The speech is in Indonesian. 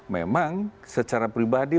memang secara pribadi